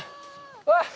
うわっ。